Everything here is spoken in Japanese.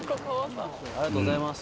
ありがとうございます。